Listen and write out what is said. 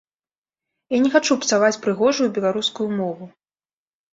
Я не хачу псаваць прыгожую беларускую мову.